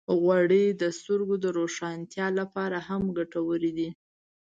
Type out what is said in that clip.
غوړې د سترګو د روښانتیا لپاره هم ګټورې دي.